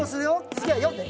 次は４で。